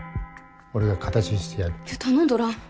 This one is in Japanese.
俺が形にしてやるいや頼んどらん